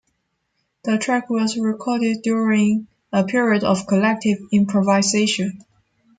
The track was recorded during a period of collective improvisation.